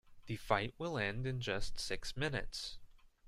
The fight will end in just six minutes.